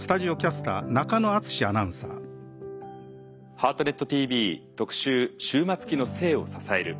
「ハートネットＴＶ特集“終末期”の生を支える」。